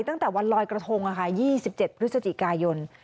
ตั้งแต่วันลอยกระทง๒๗พฤศจิกายน